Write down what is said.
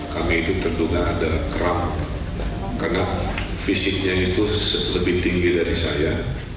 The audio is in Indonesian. kami itu tentu gak ada kram karena fisiknya itu lebih tinggi dari saya